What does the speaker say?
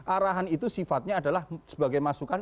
arahan itu sifatnya adalah sebagai masukan